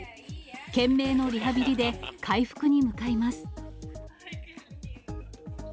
懸命のリハビリで、回復に向かいます。